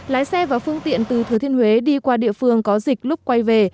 lái xe và phương tiện từ thừa thiên huế đi qua địa phương có dịch lúc quay về